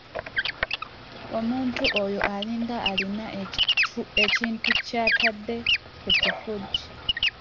Omuntu oyo alinga alina ekintu ky’atadde ku kifugi!